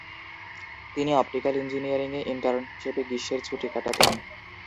তিনি অপটিক্যাল ইঞ্জিনিয়ারিংয়ে ইন্টার্ন হিসেবে গ্রীষ্মের ছুটি কাটাতেন।